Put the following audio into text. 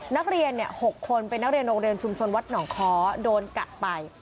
นักเรียน๖คนเป็นนักเรียนโรงเรียนชุมชนวัดหนองค้อโดนกัดไป